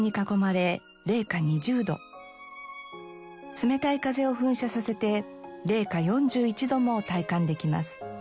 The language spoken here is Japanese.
冷たい風を噴射させて零下４１度も体感できます。